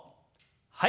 はい。